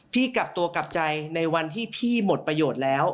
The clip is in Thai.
กลับตัวกลับใจในวันที่พี่หมดประโยชน์แล้ว